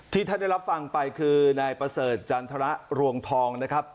ท่านได้รับฟังไปคือนายประเสริฐจันทรรวงทองนะครับ